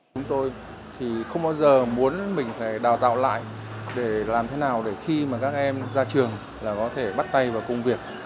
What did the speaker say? chúng tôi thì không bao giờ muốn mình phải đào tạo lại để làm thế nào để khi mà các em ra trường là có thể bắt tay vào công việc